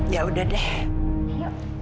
ya udah deh